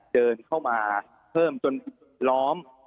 เดินเข้ามาเพิ่มจนล้อม